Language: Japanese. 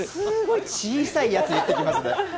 小さいやつ言ってきますね。